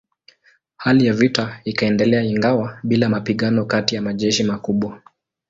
Hali ya vita ikaendelea ingawa bila mapigano kati ya majeshi makubwa.